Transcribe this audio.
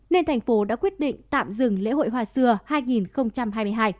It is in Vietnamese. nên thành phố đã quyết định tạm dừng lễ hội hoa xưa hai nghìn hai mươi hai